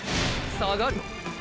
下がる？